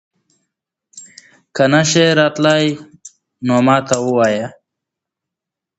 که نه شې راتلی نو ما ته ووايه